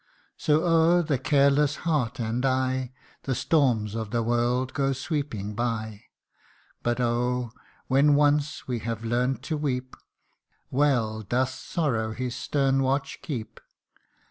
So o'er the careless heart and eye The storms of the world go sweeping by ; But oh ! when once we have learn 'd to weep, Well doth sorrow his stern watch keep.